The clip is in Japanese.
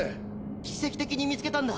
奇跡的に見つけたんだ。